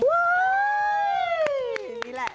ว้าว